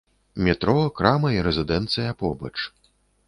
Метро, крама і рэзідэнцыя побач.